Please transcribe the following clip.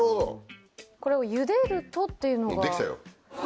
「これをゆでると」っていうのが。